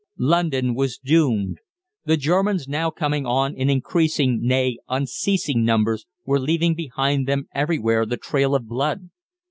London was doomed. The Germans now coming on in increasing, nay, unceasing numbers, were leaving behind them everywhere the trail of blood.